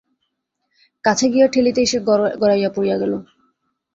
কাছে গিয়া ঠেলিতেই সে গড়াইয়া পড়িয়া গেল।